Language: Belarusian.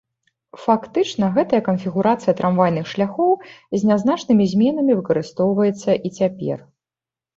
Фактычна гэтая канфігурацыя трамвайных шляхоў з нязначнымі зменамі выкарыстоўваецца і цяпер.